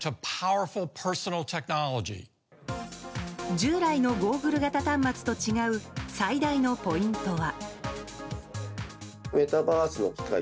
従来のゴーグル型端末と違う最大のポイントは。